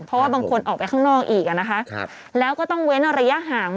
เพราะว่าบางคนออกไปข้างนอกอีกอ่ะนะคะแล้วก็ต้องเว้นระยะห่าง